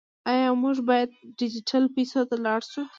آیا موږ باید ډیجیټل پیسو ته لاړ شو؟